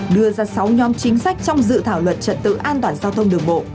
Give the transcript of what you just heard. đưa ra sáu nhóm chính sách trong dự thảo luật trật tự an toàn giao thông đường bộ